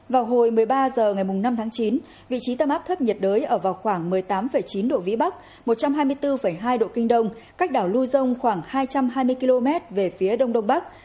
vào hồi một mươi ba h ngày năm tháng chín vị trí tâm áp thấp nhiệt đới ở vào khoảng một mươi tám chín độ vĩ bắc một trăm hai mươi bốn hai độ kinh đông cách đảo lưu dông khoảng hai trăm hai mươi km về phía đông đông bắc